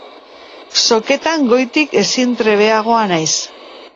Soketan goiti ezin trebeagoa naiz...